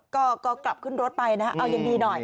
ก็กลับขึ้นรถไปนะเอายังดีหน่อย